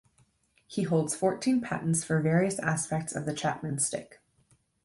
He holds fourteen patents for various aspects of the Chapman Stick.